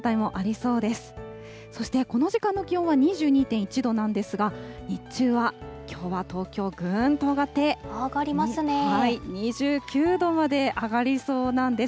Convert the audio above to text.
そしてこの時間の気温は２２．１度なんですが、日中はきょうは、東京ぐーんと上がって、２９度まで上がりそうなんです。